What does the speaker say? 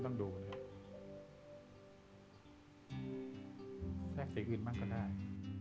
ต้องดูอีกอื่นบ้างก็ได้